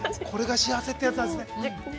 これが幸せってやつなんですね。